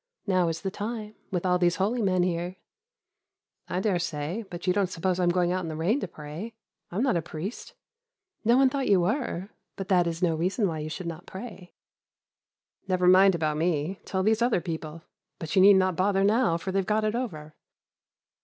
Now is the time, with all these holy men here.' "'I dare say; but you don't suppose I'm going out into the rain to pray: I'm not a priest.' "'No one thought you were; but that is no reason why you should not pray.' "'Never mind about me, tell these other people; but you need not bother now, for they've got it over.